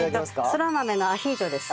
そら豆のアヒージョです。